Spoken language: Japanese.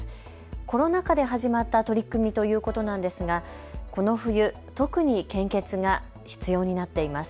コロナ禍で始まった取り組みということなんですが、この冬、特に献血が必要になっています。